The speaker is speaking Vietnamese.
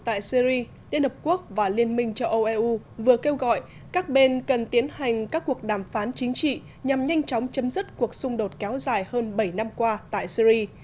tại syri liên hợp quốc và liên minh châu âu eu vừa kêu gọi các bên cần tiến hành các cuộc đàm phán chính trị nhằm nhanh chóng chấm dứt cuộc xung đột kéo dài hơn bảy năm qua tại syri